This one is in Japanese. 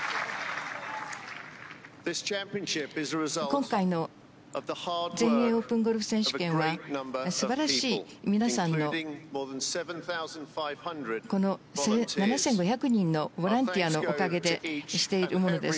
今回の全英オープンゴルフ選手権は素晴らしい皆さんの７５００人のボランティアのおかげでしているものです。